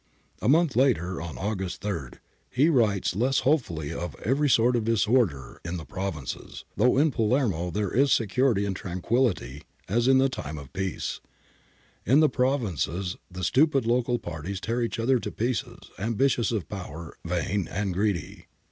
A month later, on August 3, he writes less hopefully of ' every sort of disorder in the provinces, though in Palermo there is security and tranquillity as in time of peace. ... In the provinces the stupid local parties tear each other to pieces, ambitious of power, vain and greedy.